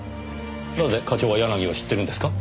なぜ課長は柳を知ってるんですか？